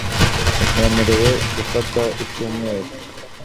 nemerewe gufata icyumweru